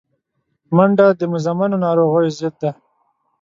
منډه د مزمنو ناروغیو ضد ده